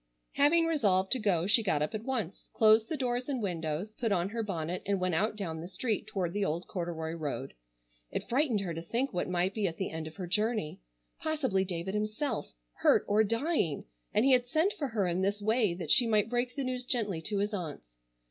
Having resolved to go she got up at once, closed the doors and windows, put on her bonnet and went out down the street toward the old corduroy road. It frightened her to think what might be at the end of her journey. Possibly David himself, hurt or dying, and he had sent for her in this way that she might break the news gently to his aunts.